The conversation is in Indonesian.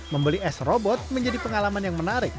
membeli es robot menjadi pengalaman yang menarik